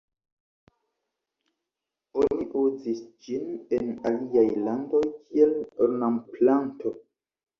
Oni uzis ĝin en aliaj landoj kiel ornamplanto.